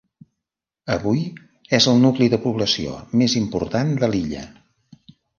Avui és el nucli de població més important de l'illa.